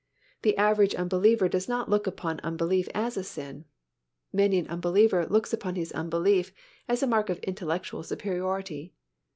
The average unbeliever does not look upon unbelief as a sin. Many an unbeliever looks upon his unbelief as a mark of intellectual superiority.